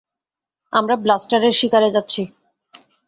আমরা ব্লাস্টারের শিকারে যাচ্ছি।